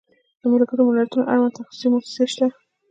د ملګرو ملتونو اړوند تخصصي موسسې شته.